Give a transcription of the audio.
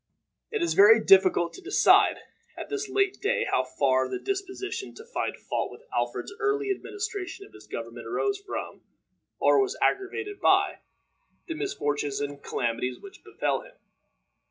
It is very difficult to decide, at this late day how far this disposition to find fault with Alfred's early administration of his government arose from, or was aggravated by, the misfortunes and calamities which befell him.